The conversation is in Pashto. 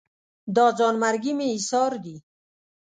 دا ځان مرګي مې ایسار دي